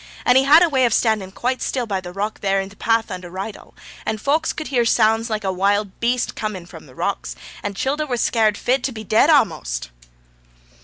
And he had a way of standin' quite still by the rock there in t' path under Rydal, and folks could hear sounds like a wild beast coming from the rocks, and childer were scared fit to be dead a'most.'